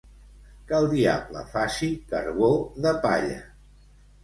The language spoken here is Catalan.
Que el diable faci carbó de palla.